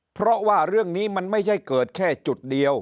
เพราะว่าเรื่องนี้มันไม่ใช่เกิดแค่จุดเดียว